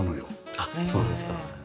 あっそうなんですか。